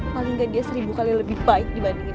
paling nggak dia seribu kali lebih baik dibandingin